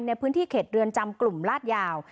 ในพื้นที่เขตเรือนจำกลุ่มลาดยาว